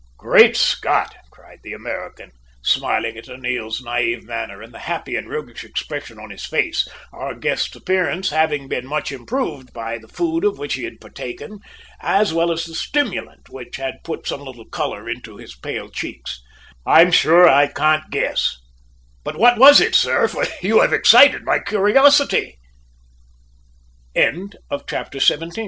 "Great Scot!" cried the American, smiling at O'Neil's naive manner and the happy and roguish expression on his face, our guest's appearance having been much improved, by the food of which he had partaken as well as the stimulant, which had put some little colour into his pale cheeks. "I'm sure I can't guess. But what was it, sir, for you have excited my curiosity?" CHAPTER EIGHTEEN. A BLACK BUSINESS. "Be jabers, sor!"